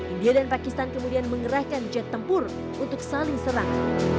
india dan pakistan kemudian mengerahkan jet tempur untuk saling serang